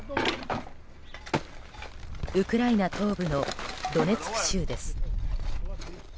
ウクライナ東部のドネツク州です。